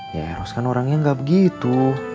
ya eros kan orangnya nggak begitu